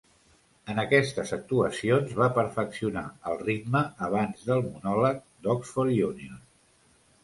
En aquestes actuacions va perfeccionar el ritme abans del monòleg d'Oxford Union.